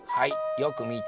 よくみた。